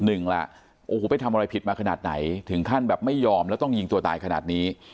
หนึ่งล่ะโอ้โหไปทำอะไรผิดมาขนาดไหนถึงขั้นแบบไม่ยอมแล้วต้องยิงตัวตายขนาดนี้